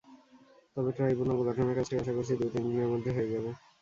তবে ট্রাইব্যুনাল গঠনের কাজটি আশা করছি দু-তিন দিনের মধ্যে হয়ে যাবে।